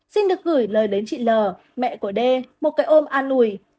xin được gửi lời đến chị l mẹ của d một cái ôm an ủi